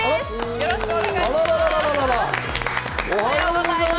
よろしくお願いします。